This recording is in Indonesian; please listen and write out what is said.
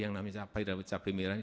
yang namanya cabai rawit cabai merah